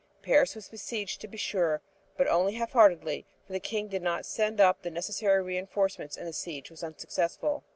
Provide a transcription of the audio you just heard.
Paris was besieged, to be sure, but only half heartedly, for the King did not send up the necessary reinforcements, and the siege was unsuccessful.